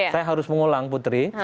saya harus mengulang putri